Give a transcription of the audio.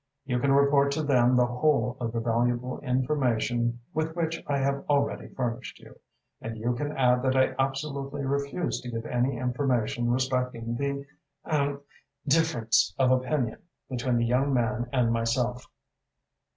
"You can report to them the whole of the valuable information with which I have already furnished you, and you can add that I absolutely refuse to give any information respecting the er difference of opinion between the young man and myself."